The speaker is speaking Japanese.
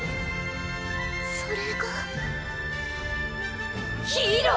それがヒーロー！